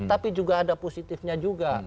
tapi juga ada positifnya juga